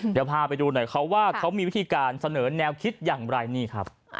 เดี๋ยวพาไปดูหน่อยเขาว่าเขามีวิธีการเสนอแนวคิดอย่างไรนี่ครับ